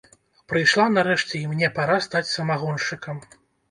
Прыйшла, нарэшце, і мне пара стаць самагоншчыкам!